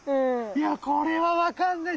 いやこれは分かんない。